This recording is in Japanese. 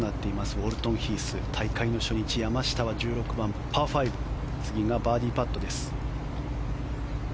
ウォルトンヒース大会初日、山下は１６番、パー５バーディーパットです。